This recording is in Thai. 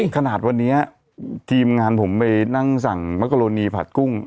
ขนาดวันนี้ทีมงานผมไปนั่งสั่งมะกะโลนีผัดกุ้ง